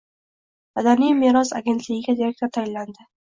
Madaniy meros agentligiga direktor tayinlanding